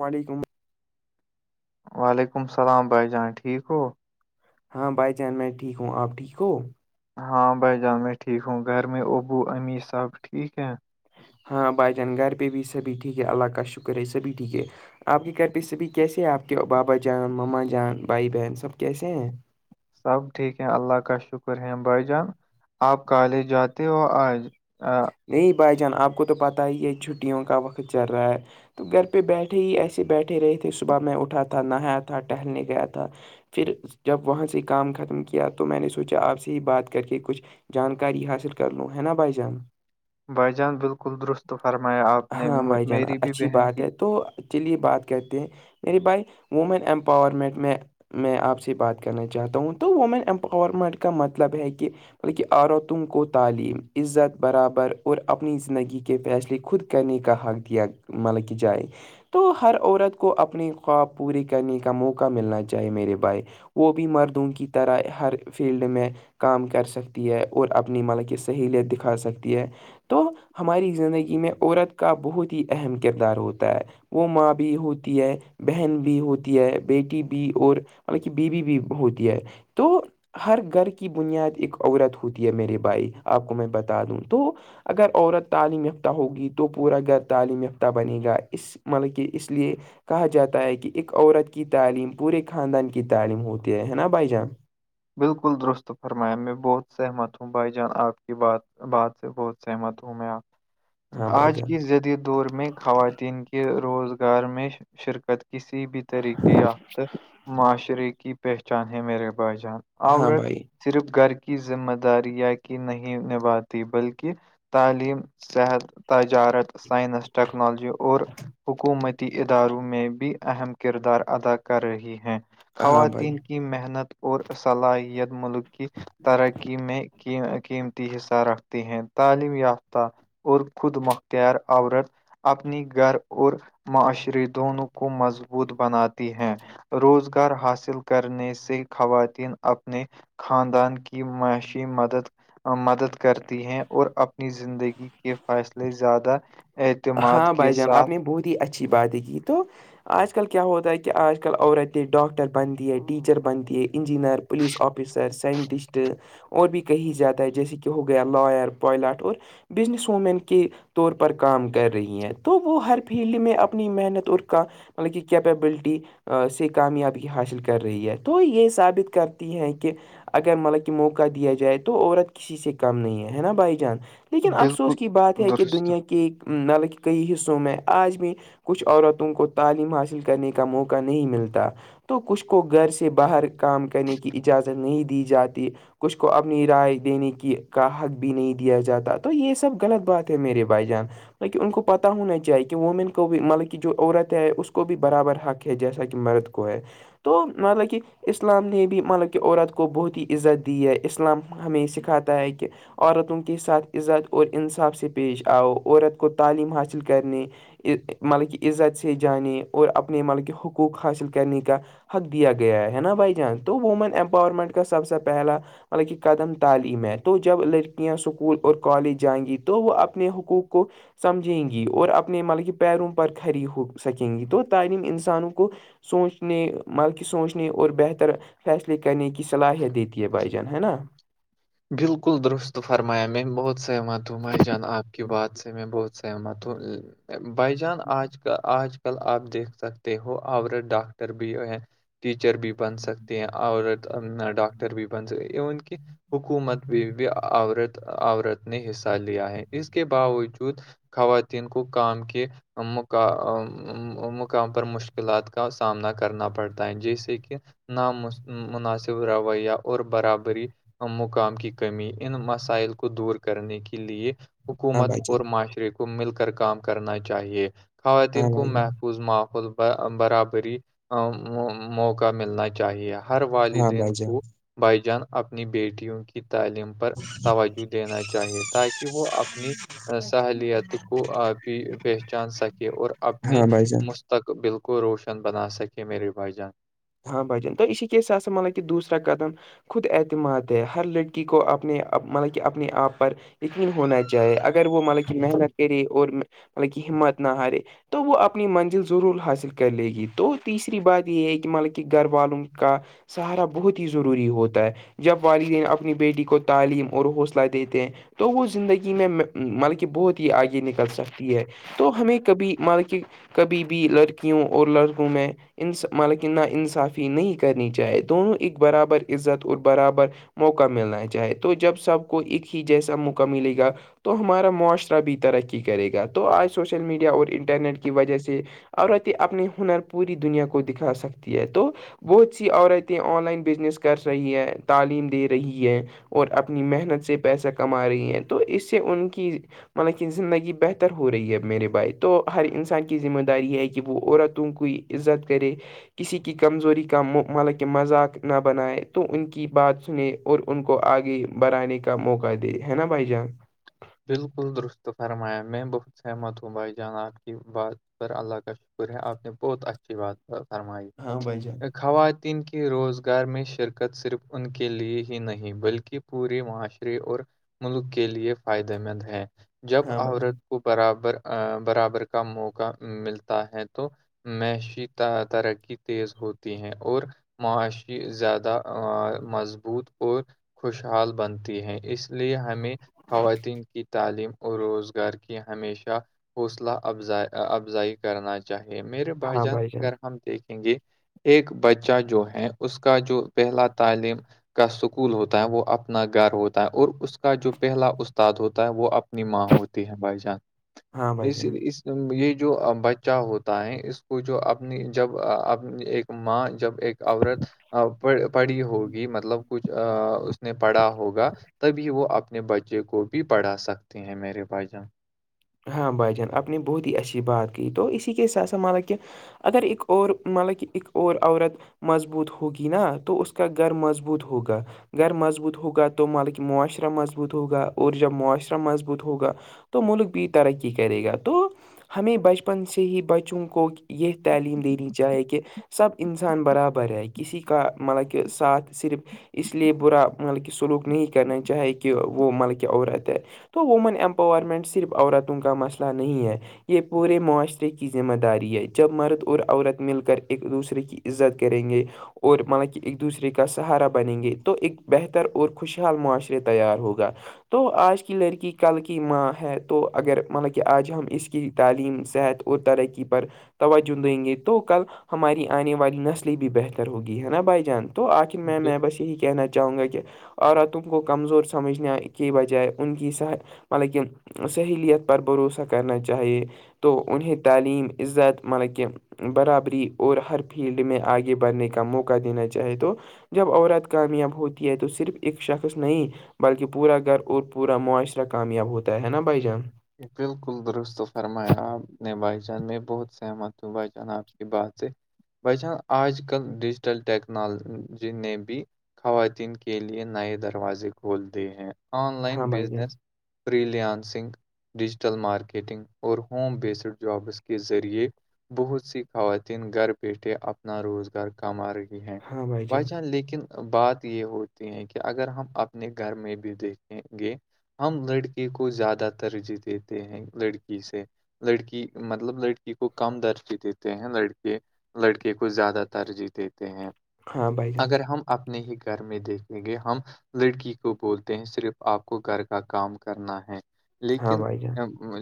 وعلیکم وعلیکم السلام بھائی جان ٹھیک ہو ہاں بھائی جان میں ٹھیک ہوں آپ ٹھیک ہو ہاں بھائی جان میں ٹھیک ہوں گھر میں ابو امی سب ٹھیک ہے ہاں با جان گھر پہ بھی سبھی ٹھیک ہے اللہ کا شکر ہے سبھی ٹھیک ہے- آپ کی گھر پ سے بھی کیس ہے آپ کے بابا جان ما جان بھائی بہن سب کیسے ہیں? سب ٹھیک ہے اللہ کا شکر ہے بھائی جان آپ کالج جاتے ہو آج- [inaudible] نہیں بھائی جان آپ کو تو پتہ ہی یہ چھٹیوں کا وقت چل رہا ہے- تو گھر پہ بیٹھے ہی ایسے بیٹھے رہے تھے صبح میں اٹھا تھا نہایا تھا ٹہلنے گیا تھا- پھر جب وہاں سے کام ختم کیا تو میں نے سوچا آپ سے ہی بات کر کے کچھ- جانکاری حاصل کر لوں ہے نا بھائی جان- بھائی جان بالکل درست فرمایا آپ نے ہاں بھائی جان میری بھی اچھی بہن بات ہے کی- تو چلیے بات کرتے ہیں میرے بھائی وومن امپاورمنٹ میں- میں آپ سے بات کرنا چاہتا ہوں تو وومن امپاورمنٹ کا مطلب ہے کہ- مطلب کہ آر و تم کو تعلیم عزت- برابر اور اپنی زندگی کے فیصلے خود کرنے کا حق دیا مل کی جائے- تو ہر عورت کو اپنی خواب پوری کرنے کا موقع ملنا چاہیے میرے بھائی- وہ بھی مردوں کی طرح ہر فیلڈ میں- کام کر سکتی ہے اور اپنی مالک کی سہیلیت دکھا سکتی- ہے تو ہماری زندگی میں عورت کا بہت ہی اہم کردار ہوتا ہے- وہ ماں بھی ہوتی ہے بہن بھی ہوتی ہے بیٹی بھی اور کی بیوی بھی ہوتی ہے- [inaudible] تو ہر گھر کی بنیاد ایک عورت ہوتی ہے میرے بھائی آپ کو میں بتا دوں- تو اگر عورت تعلیم یافتہ ہوگی تو پورا گھر تعلیم یافتہ بنے گا اس- مطلب کہ اس لیے- کہا جاتا ہے کہ ایک عورت کی تعلیم پورے خاندان کی تعلیم ہوتی ہے ہے نا بھائی جان- بالکل درست فرمایا میں بہت سہمت ہوں بھائی جان آپ کی بات- بات سے بہت سہمت ہوں میںپ- ہاں بھائی آج جان کی جدید دور میں خواتین کے روزگار میں شرکت- کسی بھی طریقے یافتہ معاشرے کی پہچان ہے میرے بائی جان- ہاں آورت بھائی صرف گھر کی ذمہ داریاں کی نہیں نبھاتی بلکہ- تعلیم صحت تجارت سائنس ٹیکنالوجی- اور حکومتی اداروں میں بھی اہم کردار ادا کر رہی ہیں- ہاں بھائی خواتین کی محنت اور صلاحیت ملک کی- ترقی میں قیمتی حصہ رکھتے ہیں تعلیم یافتہ- اور خود مختار عورت- اپنی گھر اور معاشرے دونوں کو مضبوط بناتی ہیں- روزگار حاصل کرنے سے خواتین اپنے- خاندان کی معاشی مدد- مدد کرتی ہیں اور اپنی زندگی کے فیصلے زیادہ- اعتماد ہاں کے بھائی جان آپ ساتھ نے بہت ہی اچھی باتیں کی تو- آج کل کیا ہوتا ہے کہ آج کل عورتیں ڈاکٹر بنتی ہے ٹیچر بنتی ہے انجینئر- پلیس آفسر سائنٹسٹ- اور بھی کہیں زیادہ ہے جیسے کہ ہو گیا لائر پوائلٹ اور- بزنس وومین کے طور پر کام کر- کر رہی ہیں تو وہ ہر فیلڈ میں اپنی محنت اور کا مطلب کہ کیپبلٹی- سے کامیابی حاصل کر رہی ہے تو یہ ثابت کرتی ہیں کہ- اگر مطلب کہ موقع دیا جائے تو عورت کسی سے کم نہیں ہے ہے نا بھائی جان لیکن بالکل افسوس کی بات ہے کہ درست دنیا کے حالانکہ کئی حصوں میں آج بھی کچھ عورتوں کو تعلیم حاصل کرنے کا موقع نہیں ملتا تو کچھ کو گھر سے باہر کام کرنے کی اجازت نہیں دی جاتی کچھ کو اپنی رائے دینے کی کا حق بھی نہیں دیا جاتا تو یہ سب غلط بات ہے میرے بھائی جان لیکن ان کو پتا ہونا چاہیے کہ وومین کو بھی مطلب کہ جو عورت ہے اس کو بھی برابر حق ہے جیسا کہ مرد کو ہے تو مطلب کہ اسلام نے بھی مطلب کہ عورت کو بہت ہی عزت دی ہے اسلام ہمیں یہ سکھاتا ہے کہ عورتوں کے ساتھ عزت اور انصاف سے پیش آؤ عورت کو تعلیم حاصل کرنے مطلب کہ عزت سے جانے اور اپنے مطلب کہ حقوق حاصل کرنے کا حق دیا گیا ہے نا بھائی جان تو وومن امپاورمنٹ کا سب سے پہلا مطلب کہ قدم تعلیم ہے تو جب لڑکیاں اسکول اور کالج جائیں گی تو وہ اپنے حقوق کو سمجھیں گی اور اپنے مطلب کے پیروں پر کھڑری ہو سکیں گی تو تعلیم انسانوں کو سوچنے مال کی سوچنے اور بہتر فیصلے کرنے کی صلاحیت دیتی ہے بھائی جان ہے نا بالکل درست فرمایا میں بہت سہمت ہوں بھائی جان آپ کی بات سے میں بہت سہمت ہوں بھائی جان آج کل آج کل آپ دیکھ سکتے ہو عورت ڈاکٹر بھی ٹیچر بھی بن سکتے ہیں عورت ڈاکٹر بھی بن سکتے ایون کہ حکومت بھی بھی عورت عورت نے حصہ لیا ہے اس کے باوجود خواتین کو کام کیے مقام مقام پر مشکلات کا سامنا کرنا پڑتا ہے جیسے کہ نا مناسب رویہ اور برابری مقام کی کمی ان مسائل کو دور کرنے کے لئے ہاں حکومت بھائی اور جان م معاشرے کو مل کر کام کرنا چاہیے خواتین ہاں کو بھائی جان محفوظ ماحول برابری موقع ملنا چاہیے ہر ہاں بھائی والدین جان کو بھائی جان اپنی بیٹیوں کی تعلیم پر توجہ دینا چاہیے تاکہ کہ وہ اپنی سہلیت کو بھی پہچان سکے اور اپنی ہاں بھائی جان مستقبل بالکل روشن بنا سکے میر بھایی جان ہاں بھای جان تو اسی کے ساتھ ساتھ مطلب کہ دوسرا قدم خود اعتماد ہے ہر لڑکی کو اپنے مطلب کہ اپنے آپ پر یقین ہونا چاہے اگر وہ مطلب کہ محنت کرے اور مطلب کہ ہمت نہ ہارے تو وہ اپنی منزل ضرور حاصل کر لے گی تو تیسری بات یہ ہے کہ مطلب کہ گھر والوں کا سہارا بہت ہی ضروری ہوتا ہے جب والدین اپنی بیٹی کو تعلیم اور حوصلہ دیتے ہیں تو وہ زندگی میں مطلب کہ بہت ہی آگے نکل سکتی ہے تو ہمیں کبھی مطلب کہ کبھی بھی لڑکیوں اور لڑکوں میں انصاف مطلب کہ نا انصافی صافی نہیں کرنی چاہے دونوں ایک برابر عزت اور برابر موقع ملنا چاہے تو جب سب کو ایک ہی جیسا موقع ملے گا تو ہمارا معاشرہ بھی ترقی کرے گا تو آج سوشل میڈیا اور انٹرنیٹ کی وجہ سے عورتیں اپنے ہنر پوری دنیا کو دکھا سکتی ہے تو بہت سی عورتیں آن لائن بزنس کر رہی ہے تعلیم دے رہی ہے اور اپنی محنت سے پیسہ کما رہی ہیں تو اس سے ان کی مطلب کہ زندگی بہتر ہو رہی ہے اب میرے بھائے تو ہر انسان کی ذمہ داری ہے کہ وہ عورتوں کی عزت کرے کسی کی کی کمزوری کا مطلب کہ مذاق نہ بنائے تو ان کی بات سنے- اور ان کو آگے بڑھانے کا موقع دے ہے نا بھائی جان- بالکل درست فرمایا میں بہت سہمت ہوں بھائی جان آ کی بات- پر اللہ کا شکر ہے آپ نے بہت اچھی بات فرمائی ہاں بھائی جان خواتین کی- کہ روزگار میں شرکت صرف ان کے لیے ہی نہیں بلکہ پورے معاشرے اور- ملک کے لیے فائدے مند ہیں جب ہاں بھائی جان عورت- برابر- برابر کا موقع ملتا ہے تو- میشی ترقی تیز ہوتی ہیں اور- معاشی زیادہ مضبوط اور- خوشحال بنتی ہے اس لیے ہمیں- خواتین کی تعلیم اور روزگار کی ہمیشہ حوصلہ افز افزائی- کرنا چاہیے میرے بھائی جان اگر ہم دیکھیں گے- ایک بچہ جو ہے اس کا جو پہلا تعلیم- کا سکول ہوتا ہے وہ اپنا گھر ہوتا ہے اور اس کا جو پہلا استاد ہوتا ہے وہ اپنی ماں ہوتی ہے بھائی جان ہاں بھائی اس- جان اس- یہ جو بچہ ہوتا ہے اس کو جو اپنی جب اپ ایک ماں جب- ایک عورت- پڑھی ہوگی مطلب کچھ اس نے پڑھا ہوگا تبھی وہ اپ- اپنے بچے کو بھی پڑھا سکتے ہیں میرے بھائی جان- ہاں بھائی جان اپنی بہت ہی اچھی بات کی تو اسی کے سات سا مان لا کہ- اگر ایک اور مطلب کہ ایک اور عورت- مضبوط ہوگی نا تو اس کا گھر مضبوط ہوگا- غیر مضبوط ہوگا تو مالک معاشرہ مضبوط ہوگا اور جب معاشرہ مضبوط ہوگا- تو ملک بھی ترقی کرے گا تو- ہمیں بچپن سے ہی بچوں کو یہ تعلیم دینی چاہیے کہ سب انسان برابر ہے کسی کا مطلب کہ ساتھ صرف- اس لیے برا مطلب کہ سلوک نہیں کرنا چاہے کہ وہ مطلب کہ عورت ہے- تو وومن امپاورمنٹ صرف عورتوں کا مسئلہ نہیں ہے- یہ پورے معاشرے کی ذمہ داری ہے جب مرد اور عورت مل کر ایک دوسرے کی- عزت کریں گے- اور مطلب کہ ایک دوسرے کا سہارا بنیں گے تو ایک بہتر اور خوشحال معاشرے تیار ہوگا- تو آج کی لڑکی کل کی ماں ہے تو- اگر مطلب کہ آج ہم اس کی تعلیم صحت اور ترقی پر- توجہ دیں گے تو کل ہماری آنے والی نسلیں بھی بہتر ہوگی ہے نا بھائی جان- تو آخر میں میں بل- بس یہی کہنا چاہوں گا کہ- عورتوں کو کمزور سمجھنے کی بجائے ان کی مطلب کہ- سہیلیت پر بھروسہ کرنا چاہیے تو انہیں تعلیم عزت مطلب کہ برابری اور ہر فیلڈ میں آگے بڑھنے کا موقع دینا چاہے تو- جب عورت کامیاب ہوتی ہے تو صرف ایک شخص نہیں- بلکہ پورا گھر اور پورا معاشرہ کامیاب ہوتا ہے نا بھائی جان- بالکل درست و فرمایا آپ نے بھائی جان میں بہت سہمت ہوں بھائی جان آپ کی بات سے- ب آج کل ڈیجیٹل ٹیکنالجی نے بھی- خواتین کے لیے نئے دروازے کھولتے ہیں- آن ہاں لائن بھائی جان بزنس فریلیانسنگ- ڈیجیٹل مارکیٹنگ اور ہوم بیسڈ جابس کے ذریعے بہت سی خواتین گھر بیٹھے اپنا روزگار کما رہی ہیں ہاں بھائی بائی جان چانس لیکن بات یہ ہوتی ہے کہ اگر ہم اپنے گھر میں بھی دیکھیں گے ہم لڑکے کو زیادہ ترجیح دیتے ہیں لڑکی سے لڑکی مطلب لڑکی کو کم درجی دیتے ہیں لڑکے لڑکے کو زیادہ ترجیح دیتے ہیں ہاں بھائی جان اگر ہم اپنے ہی گھر میں دیکھیں گے ہم لڑکی کو بولتے ہیں صرف آپ کو گھر کا کام کرنا ہے ہاں لیکن بھائی جان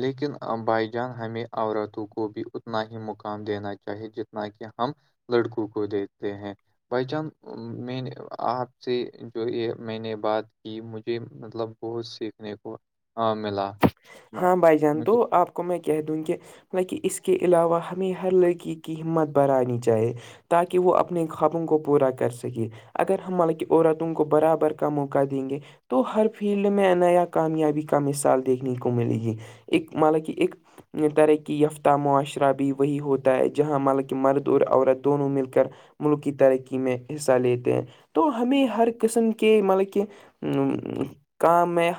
لیکن بائی جان ہمیں عورتوں کو بھی اتنا ہی مقام دینا چاہیے جتنا کہ ہم لڑکوں کو دییکتے ہیں بھائی جان میں نے آپ سے جو یہ میں نے بات کی مجھے مطلب ب سیکھنے کو ملا م- ہاں بھائی جان تو مجھے آپ کو میں کہہ دوں کہ بکہ اس کے علاوہ ہمیں ہر لڑکی کی ہمت بڑرانی چاہیے تاکہ وہ اپنے خوابوں کو پورا کر سکے اگر ہم مالک کی عورتوں کو برابر کا موقع دیں گے تو ہر فیلڈ میں نیا کامیابی کم اس سال دیکھنے کو ملے گی ایک مطلب کہ ایک ترقی یافتہ معاشرہ بھی وہی ہوتا ہے جہاں ملب کہ مرد اور عورت دونوں مل کر ملک کی ترقی میں حصہ لیتے ہیں تو ہمیں ہر قسم کے مطلب کہ ا کام میں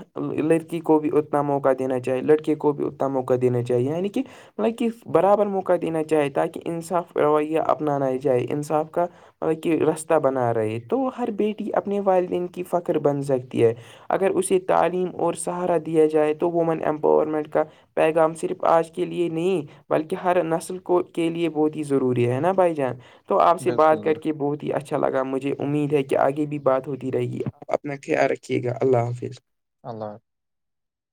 لڑکی کو بھی اپنا موقع دینا چاہے لڑکے کو بھی اتنا موقع دینا چاہیے یعنی کہ مطلب کہ برابر موقع دینا چاہے تاکہ انصاف رویہ اپنانا جائے انصاف کا مطلب کہ راستہ بنا رہے تو ہر بیٹی اپنے والدین کی فخر بن سکتی ہے اگر اسے تعلیم اور سہارا دیا جائے تو وومن ایمپاورمنٹ کا پیغام صرف آج کے لیے نہیں بلکہ ہر نسل کو کے لیے بہت ہی ضروری ہے نا بھائی جان تو آپ سے بات کر بالکل کے بہت ہی اچھا لگا مجھے امید ہے کہ آگے بھی بات ہوتی رہے گی آپ اپنا خیال رکھیے گا اللہ حافظ الگ